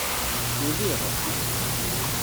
Uliɣ.